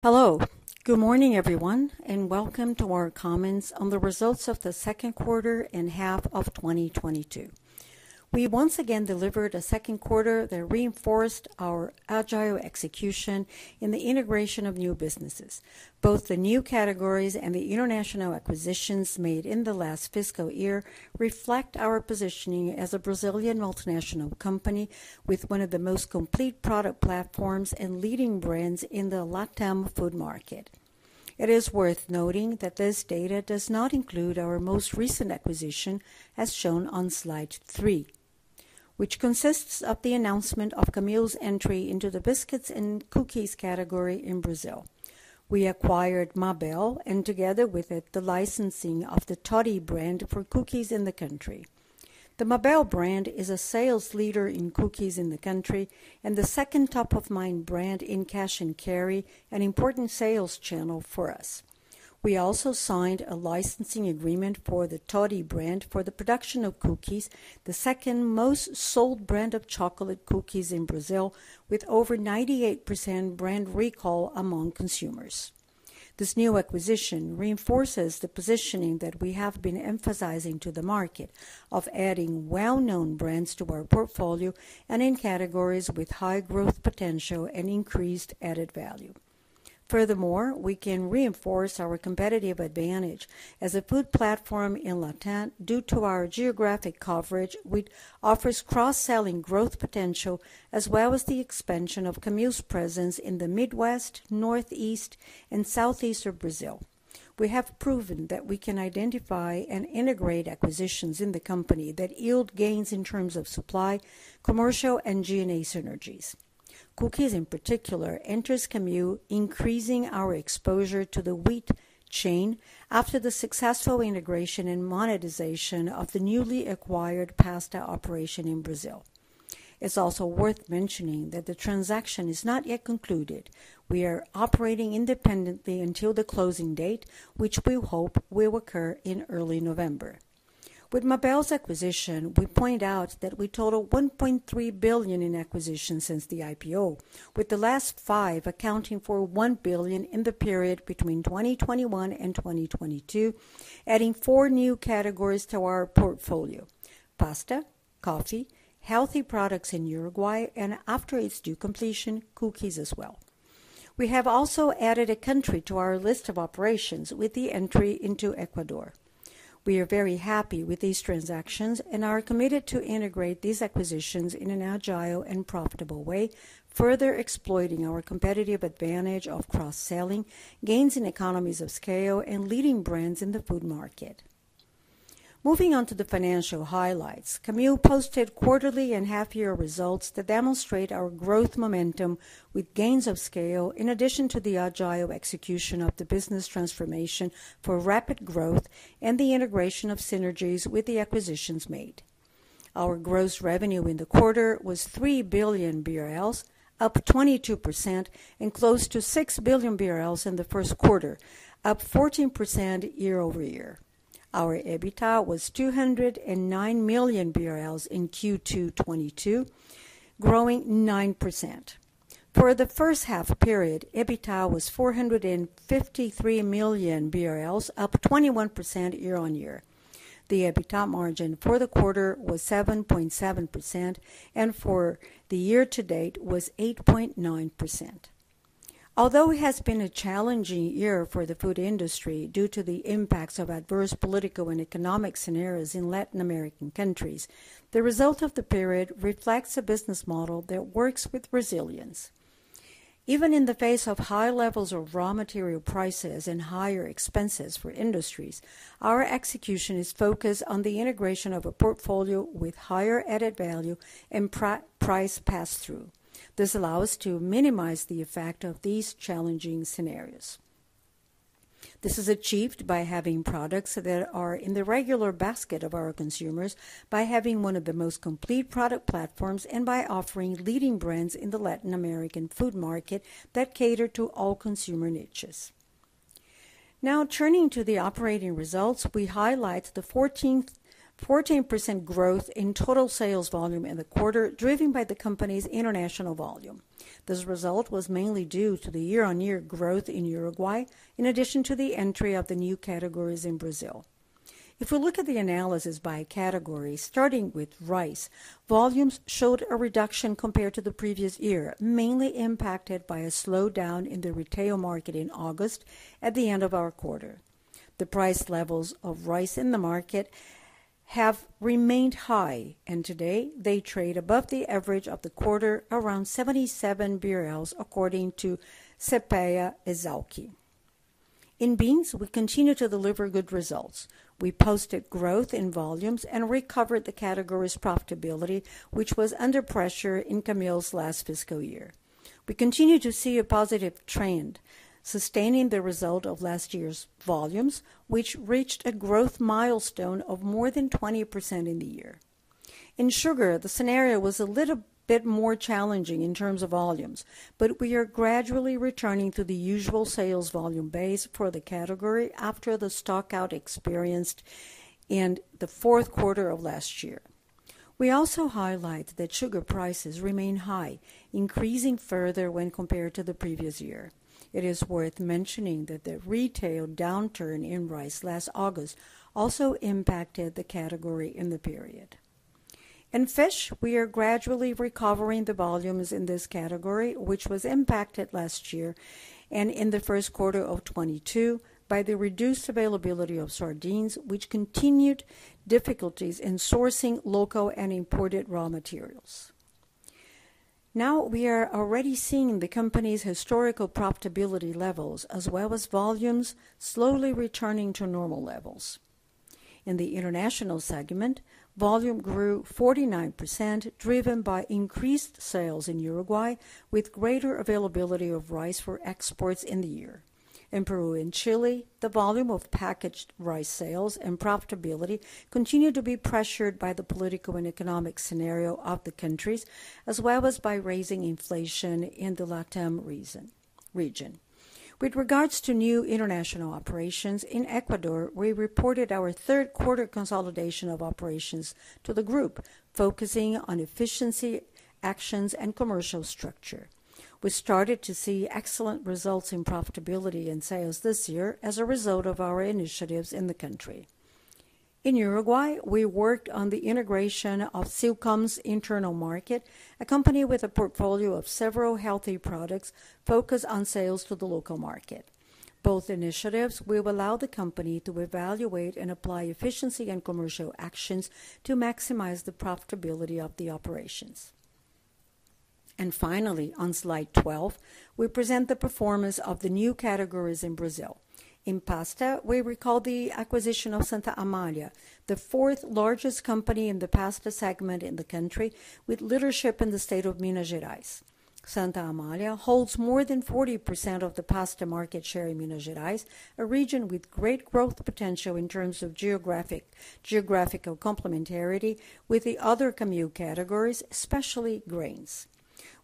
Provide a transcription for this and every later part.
Hello. Good morning, everyone, and welcome to our comments on the results of the Q2 and half of 2022. We once again delivered a Q2 that reinforced our agile execution in the integration of new businesses. Both the new categories and the international acquisitions made in the last fiscal year reflect our positioning as a Brazilian multinational company with one of the most complete product platforms and leading brands in the LatAm food market. It is worth noting that this data does not include our most recent acquisition, as shown on slide 3, which consists of the announcement of Camil's entry into the biscuits and cookies category in Brazil. We acquired Mabel and together with it, the licensing of the Toddy brand for cookies in the country. The Mabel brand is a sales leader in cookies in the country and the second top of mind brand in cash and carry, an important sales channel for us. We also signed a licensing agreement for the Toddy brand for the production of cookies, the second most sold brand of chocolate cookies in Brazil with over 98% brand recall among consumers. This new acquisition reinforces the positioning that we have been emphasizing to the market of adding well-known brands to our portfolio and in categories with high growth potential and increased added value. Furthermore, we can reinforce our competitive advantage as a food platform in LatAm due to our geographic coverage, which offers cross-selling growth potential, as well as the expansion of Camil's presence in the Midwest, Northeast, and Southeast of Brazil. We have proven that we can identify and integrate acquisitions in the company that yield gains in terms of supply, commercial, and G&A synergies. Cookies, in particular, enters Camil, increasing our exposure to the wheat chain after the successful integration and monetization of the newly acquired pasta operation in Brazil. It's also worth mentioning that the transaction is not yet concluded. We are operating independently until the closing date, which we hope will occur in early November. With Mabel's acquisition, we point out that we total 1.3 billion in acquisitions since the IPO, with the last five accounting for 1 billion in the period between 2021 and 2022, adding four new categories to our portfolio, pasta, coffee, healthy products in Uruguay, and after its due completion, cookies as well. We have also added a country to our list of operations with the entry into Ecuador. We are very happy with these transactions and are committed to integrate these acquisitions in an agile and profitable way, further exploiting our competitive advantage of cross-selling, gains in economies of scale, and leading brands in the food market. Moving on to the financial highlights, Camil posted quarterly and half-year results that demonstrate our growth momentum with gains of scale, in addition to the agile execution of the business transformation for rapid growth and the integration of synergies with the acquisitions made. Our gross revenue in the quarter was 3 billion BRL, up 22% and close to 6 billion BRL in the Q1, up 14% year-over-year. Our EBITDA was 209 million BRL in Q2 2022, growing 9%. For the first half period, EBITDA was 453 million BRL, up 21% year-on-year. The EBITDA margin for the quarter was 7.7% and for the year to date was 8.9%. Although it has been a challenging year for the food industry due to the impacts of adverse political and economic scenarios in Latin American countries, the result of the period reflects a business model that works with resilience. Even in the face of high levels of raw material prices and higher expenses for industries, our execution is focused on the integration of a portfolio with higher added value and price pass-through. This allows to minimize the effect of these challenging scenarios. This is achieved by having products that are in the regular basket of our consumers by having one of the most complete product platforms and by offering leading brands in the Latin American food market that cater to all consumer niches. Now, turning to the operating results, we highlight the 14% growth in total sales volume in the quarter, driven by the company's international volume. This result was mainly due to the year-on-year growth in Uruguay in addition to the entry of the new categories in Brazil. If we look at the analysis by category, starting with rice, volumes showed a reduction compared to the previous year, mainly impacted by a slowdown in the retail market in August at the end of our quarter. The price levels of rice in the market have remained high, and today they trade above the average of the quarter, around 77 BRL, according to Cepea Esalq. In beans, we continue to deliver good results. We posted growth in volumes and recovered the category's profitability, which was under pressure in Camil's last fiscal year. We continue to see a positive trend, sustaining the result of last year's volumes, which reached a growth milestone of more than 20% in the year. In sugar, the scenario was a little bit more challenging in terms of volumes, but we are gradually returning to the usual sales volume base for the category after the stock out experienced in the Q4 of last year. We also highlight that sugar prices remain high, increasing further when compared to the previous year. It is worth mentioning that the retail downturn in rice last August also impacted the category in the period. In fish, we are gradually recovering the volumes in this category, which was impacted last year and in the Q1 of 2022 by the reduced availability of sardines, which continued difficulties in sourcing local and imported raw materials. Now we are already seeing the company's historical profitability levels as well as volumes slowly returning to normal levels. In the international segment, volume grew 49%, driven by increased sales in Uruguay, with greater availability of rice for exports in the year. In Peru and Chile, the volume of packaged rice sales and profitability continued to be pressured by the political and economic scenario of the countries, as well as by rising inflation in the LATAM region. With regards to new international operations, in Ecuador, we reported our Q3 consolidation of operations to the group, focusing on efficiency actions and commercial structure. We started to see excellent results in profitability and sales this year as a result of our initiatives in the country. In Uruguay, we worked on the integration of Saman's internal market, a company with a portfolio of several healthy products focused on sales to the local market. Both initiatives will allow the company to evaluate and apply efficiency and commercial actions to maximize the profitability of the operations. Finally, on slide 12, we present the performance of the new categories in Brazil. In pasta, we recall the acquisition of Santa Amália, the fourth largest company in the pasta segment in the country, with leadership in the state of Minas Gerais. Santa Amália holds more than 40% of the pasta market share in Minas Gerais, a region with great growth potential in terms of geographical complementarity with the other Camil categories, especially grains.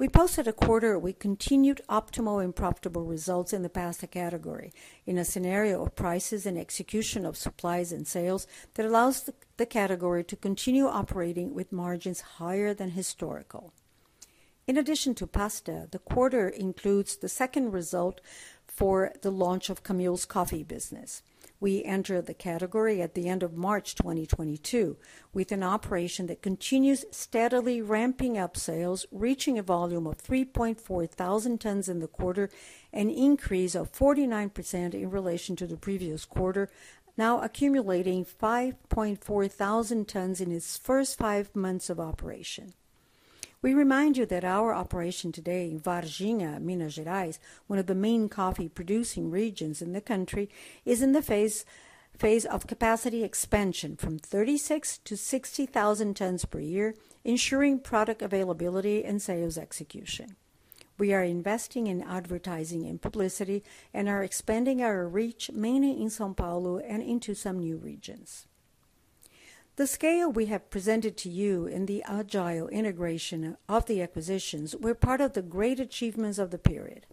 We posted a quarter with continued optimal and profitable results in the pasta category in a scenario of prices and execution of supplies and sales that allows the category to continue operating with margins higher than historical. In addition to pasta, the quarter includes the second result for the launch of Camil's coffee business. We entered the category at the end of March 2022 with an operation that continues steadily ramping up sales, reaching a volume of 3,400 tons in the quarter, an increase of 49% in relation to the previous quarter, now accumulating 5,400 tons in its first five months of operation. We remind you that our operation today in Varginha, Minas Gerais, one of the main coffee producing regions in the country, is in the phase of capacity expansion from 36 to 60,000 tons per year, ensuring product availability and sales execution. We are investing in advertising and publicity and are expanding our reach mainly in São Paulo and into some new regions. The scale we have presented to you in the agile integration of the acquisitions were part of the great achievements of the period.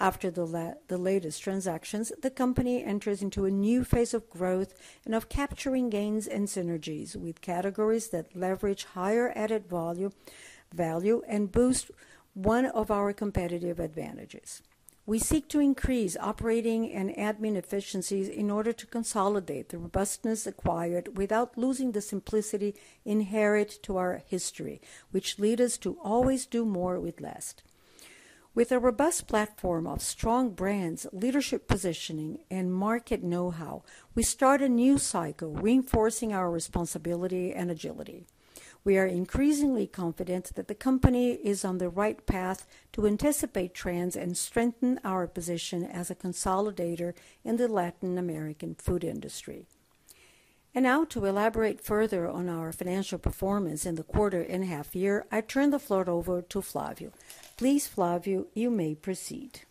After the latest transactions, the company enters into a new phase of growth and of capturing gains and synergies with categories that leverage higher added value and boost one of our competitive advantages. We seek to increase operating and admin efficiencies in order to consolidate the robustness acquired without losing the simplicity inherent to our history, which lead us to always do more with less. With a robust platform of strong brands, leadership positioning and market know-how, we start a new cycle reinforcing our responsibility and agility. We are increasingly confident that the company is on the right path to anticipate trends and strengthen our position as a consolidator in the Latin American food industry. Now to elaborate further on our financial performance in the quarter and half year, I turn the floor over to Flavio. Please, Flavio, you may proceed.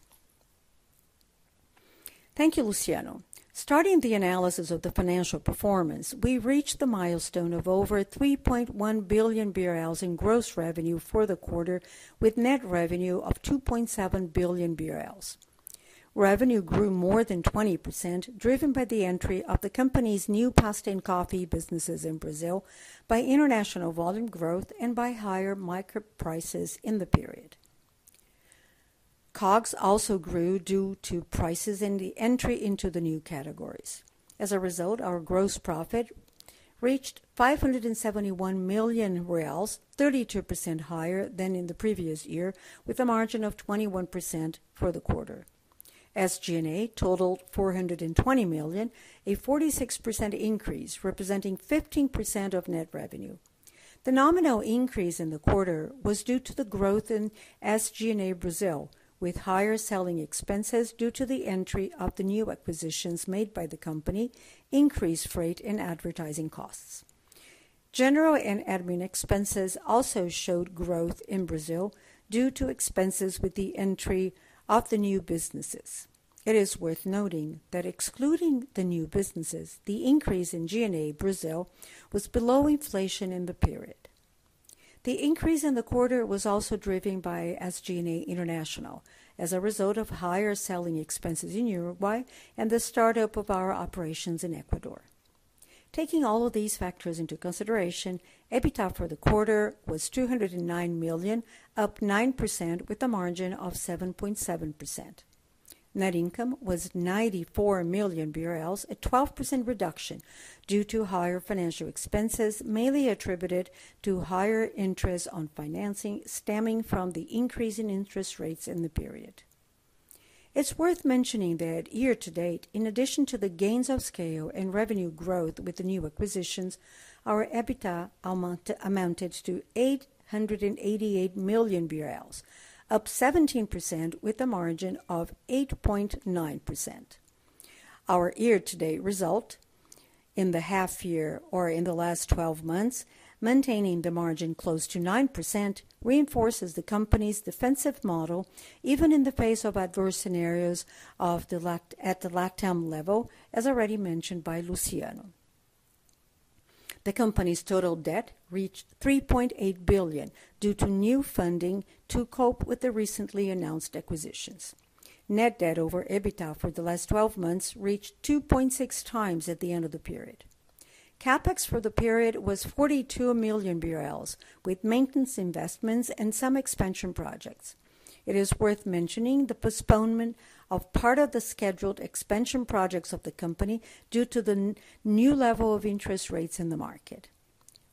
Thank you, Luciano. Starting the analysis of the financial performance, we reached the milestone of over 3.1 billion BRL in gross revenue for the quarter, with net revenue of 2.7 billion BRL. Revenue grew more than 20%, driven by the entry of the company's new pasta and coffee businesses in Brazil by international volume growth and by higher mix prices in the period. COGS also grew due to prices in the entry into the new categories. As a result, our gross profit reached 571 million reais, 32% higher than in the previous year, with a margin of 21% for the quarter. SG&A totaled 420 million, a 46% increase representing 15% of net revenue. The nominal increase in the quarter was due to the growth in SG&A Brazil, with higher selling expenses due to the entry of the new acquisitions made by the company, increased freight and advertising costs. General and admin expenses also showed growth in Brazil due to expenses with the entry of the new businesses. It is worth noting that excluding the new businesses, the increase in G&A Brazil was below inflation in the period. The increase in the quarter was also driven by SG&A International as a result of higher selling expenses in Uruguay and the startup of our operations in Ecuador. Taking all of these factors into consideration, EBITDA for the quarter was 209 million, up 9% with a margin of 7.7%. Net income was 94 million BRL, a 12% reduction due to higher financial expenses, mainly attributed to higher interest on financing stemming from the increase in interest rates in the period. It's worth mentioning that year-to-date, in addition to the gains of scale and revenue growth with the new acquisitions, our EBITDA amounted to 888 million BRL, up 17% with a margin of 8.9%. Our year-to-date result in the half year or in the last 12 months, maintaining the margin close to 9% reinforces the company's defensive model, even in the face of adverse scenarios at the LatAm level, as already mentioned by Luciano. The company's total debt reached 3.8 billion due to new funding to cope with the recently announced acquisitions. Net debt over EBITDA for the last 12 months reached 2.6x at the end of the period. CapEx for the period was 42 million BRL, with maintenance investments and some expansion projects. It is worth mentioning the postponement of part of the scheduled expansion projects of the company due to the new level of interest rates in the market.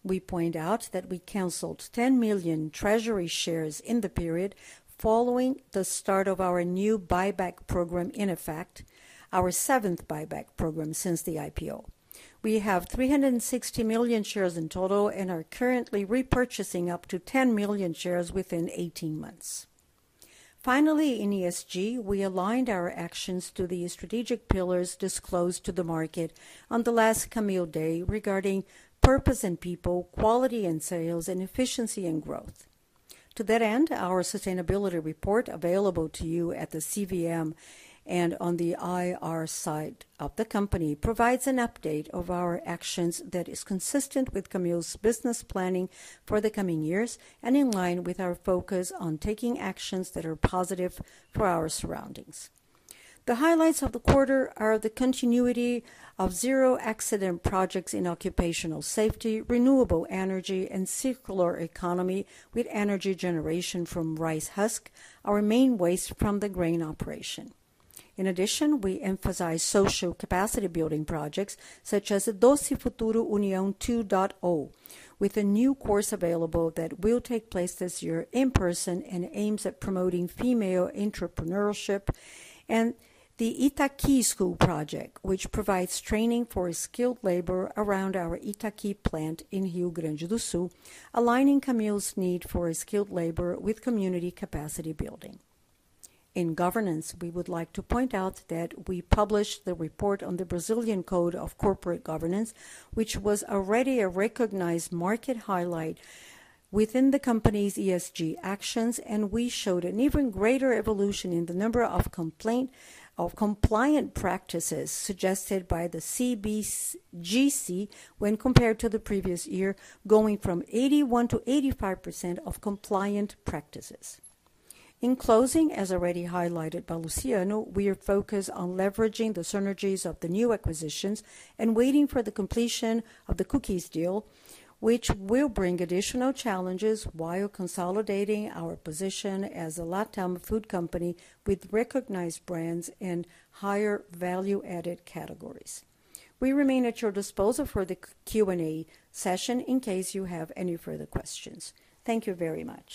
We point out that we canceled 10 million treasury shares in the period following the start of our new buyback program in effect, our seventh buyback program since the IPO. We have 360 million shares in total and are currently repurchasing up to 10 million shares within 18 months. Finally, in ESG, we aligned our actions to the strategic pillars disclosed to the market on the last Camil Day regarding purpose and people, quality and sales, and efficiency and growth. To that end, our sustainability report available to you at the CVM and on the IR site of the company, provides an update of our actions that is consistent with Camil's business planning for the coming years and in line with our focus on taking actions that are positive for our surroundings. The highlights of the quarter are the continuity of zero accident projects in occupational safety, renewable energy, and circular economy with energy generation from rice husk, our main waste from the grain operation. In addition, we emphasize social capacity building projects such as the Doce Futuro União 2.0, with a new course available that will take place this year in person and aims at promoting female entrepreneurship and the Itaqui School project, which provides training for skilled labor around our Itaqui plant in Rio Grande do Sul, aligning Camil's need for skilled labor with community capacity building. In governance, we would like to point out that we published the report on the Brazilian Code of Corporate Governance, which was already a recognized market highlight within the company's ESG actions, and we showed an even greater evolution in the number of compliant practices suggested by the CBCG when compared to the previous year, going from 81%-85% of compliant practices. In closing, as already highlighted by Luciano, we are focused on leveraging the synergies of the new acquisitions and waiting for the completion of the cookies deal, which will bring additional challenges while consolidating our position as a LatAm food company with recognized brands and higher value added categories. We remain at your disposal for the Q&A session in case you have any further questions. Thank you very much.